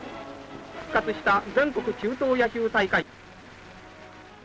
復活した全国中等野球大会。